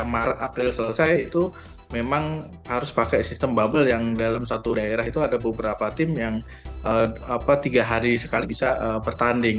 maret april selesai itu memang harus pakai sistem bubble yang dalam satu daerah itu ada beberapa tim yang tiga hari sekali bisa bertanding